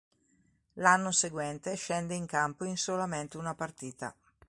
L'anno seguente scende in campo in solamente una partita.